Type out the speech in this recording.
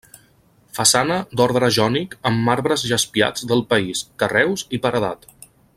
Façana d'ordre jònic amb marbres jaspiats del país, carreus i paredat.